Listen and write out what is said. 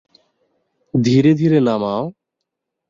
ধীরে ধীরে নামাও।